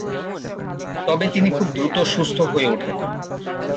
তবে তিনি খুব দ্রুত সুস্থ হয়ে ওঠেন।